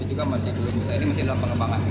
juga masih belum bisa ini masih dalam pengembangan